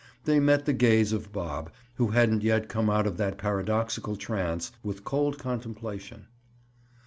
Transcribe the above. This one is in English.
They met the gaze of Bob, who hadn't yet come out of that paradoxical trance, with cold contemplation.